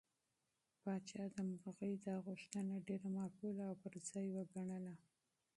پاچا د مرغۍ دا غوښتنه ډېره معقوله او پر ځای وګڼله.